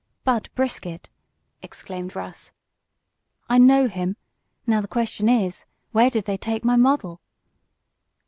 "Bud Brisket!" exclaimed Russ. "I know him. Now the question is: Where did they take my model?"